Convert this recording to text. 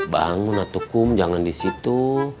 bangun atukum jangan disitu